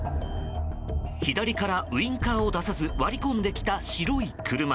左からウィンカーを出さず割り込んできた白い車。